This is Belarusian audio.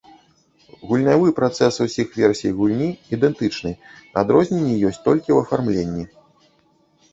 Гульнявы працэс усіх версій гульні ідэнтычны, адрозненні ёсць толькі ў афармленні.